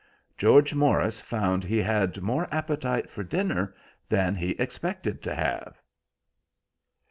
George Morris found he had more appetite for dinner than he expected to have.